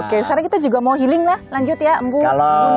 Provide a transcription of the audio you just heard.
oke sekarang kita juga mau healing lah lanjut ya embung